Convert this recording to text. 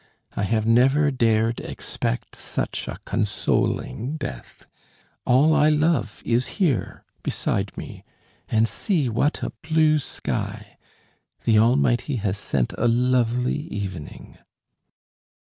I have never dared expect such a consoling death. All I love is here, beside me and see what a blue sky! The Almighty has sent a lovely evening."